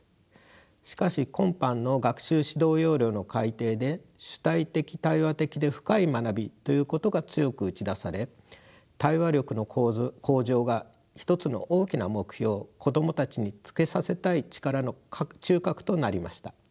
しかし今般の学習指導要領の改訂で主体的対話的で深い学びということが強く打ち出され対話力の向上が一つの大きな目標子供たちにつけさせたい力の中核となりました。